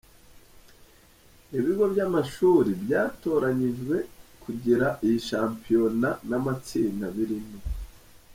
Ibigo by’amashuri byatoranyijwe kugira iyi shampiyona n’amatsinda birimo .